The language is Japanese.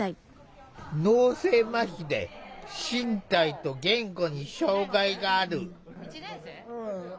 脳性まひで身体と言語に障害がある。